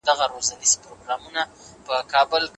اسلامي شريعت د نجونو تبادله حرامه کړې ده.